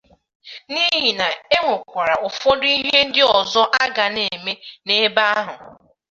n'ihi na e nwekwara ụfọdụ ihe ndị ọzọ a ga na-eme n'ebe ahụ